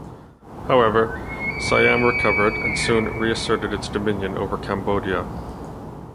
However, Siam recovered and soon reasserted its dominion over Cambodia.